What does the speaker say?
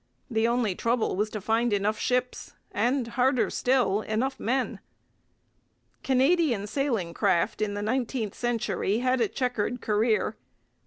The only trouble was to find enough ships and, harder still, enough men. Canadian sailing craft in the nineteenth century had a chequered career.